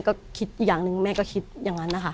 ก็คิดอีกอย่างหนึ่งแม่ก็คิดอย่างนั้นนะคะ